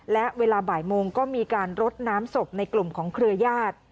และเวลาบ่ายโมงก็มีการรดน้ำศพในกลุ่มของเครือญาติ